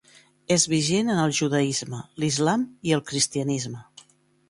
És vigent en el judaisme, l'islam i el cristianisme.